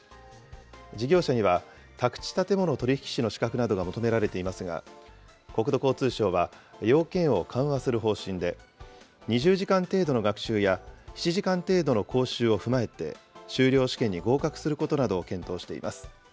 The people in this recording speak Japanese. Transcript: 事業者には、宅地建物取引士の資格などが求められていますが、国土交通省は、要件を緩和する方針で、２０時間程度の学習や、７時間程度の講習を踏まえて、修了試験に合格することなどを検討しています。